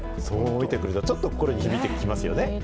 そう見てくれると、ちょっと心に響いてきますよね。